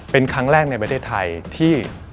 เป็นครั้งแรกในประเทศไทยที่